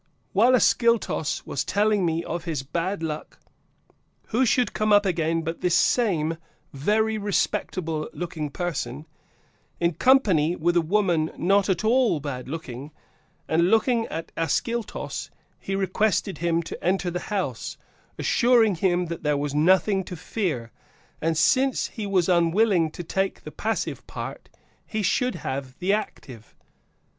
(While Ascyltos was telling me of his bad luck, who should come up again but this same very respectable looking person, in company with a woman not at all bad looking, and, looking at Ascyltos, he requested him to enter the house, assuring him that there was nothing to fear, and, since he was unwilling to take the passive part, he should have the active.